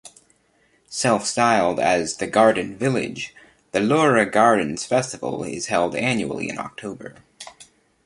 Self-styled as "the Garden Village", the Leura Gardens Festival is held annually in October.